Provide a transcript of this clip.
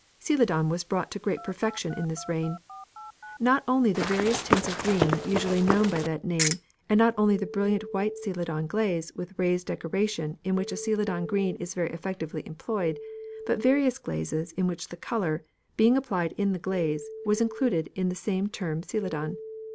Celadon was brought to great perfection in this reign. Not only the various tints of green usually known by that name, and not only the brilliant white Celadon glaze with raised decoration in which a Celadon green is effectively employed, but various glazes in which the colour, being applied in the glaze, was included in the same term Celadon.